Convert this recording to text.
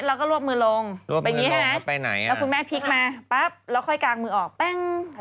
แล้วทำอย่างนี้ก่อนคุณแม่ทำอย่างนี้ก่อน